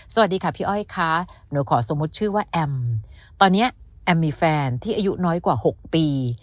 สวัสดีค่ะพี่อ้อยค่ะหนูขอสมมุติชื่อว่าแอมตอนนี้แอมมีแฟนที่อายุน้อยกว่า๖ปี